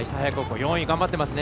４位、頑張っていますね。